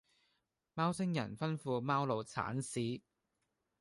貓星人吩咐貓奴剷屎